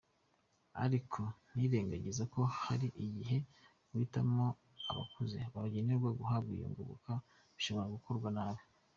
Ariko ntiyirengagiza ko hari igihe guhitamo abakuze bagenewe guhabwa iyo ngoboka bishobora gukorwa nabi.